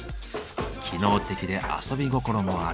機能的で遊び心もある。